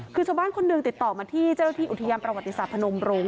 คือชาวบ้านคนหนึ่งติดต่อมาที่เจ้าหน้าที่อุทยานประวัติศาสตร์พนมโรง